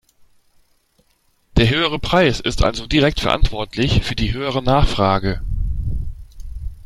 Der höhere Preis ist also direkt verantwortlich für die höhere Nachfrage.